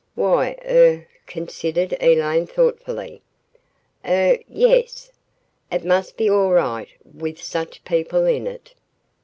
"Why, er," considered Elaine thoughtfully, "er yes. It must be all right with such people in it."